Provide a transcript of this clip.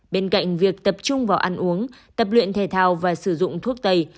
bên cạnh việc tập trung vào ăn uống tập luyện thể thao và sử dụng thuốc tây